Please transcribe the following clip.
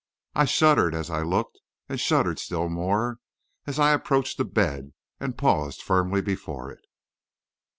I shuddered as I looked, and shuddered still more as I approached the bed and paused firmly before it.